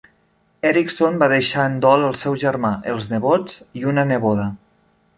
Erickson va deixar en dol el seu germà, els nebots i una neboda.